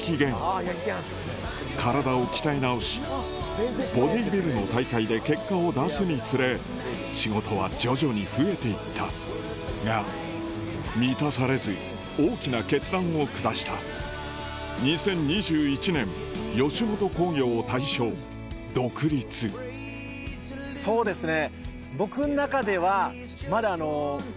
帰国後体を鍛え直しボディビルの大会で結果を出すにつれ仕事は徐々に増えていったが満たされず大きな決断を下したそうですね。